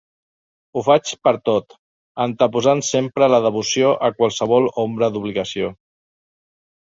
Ho faig pertot, anteposant sempre la devoció a qualsevol ombra d'obligació.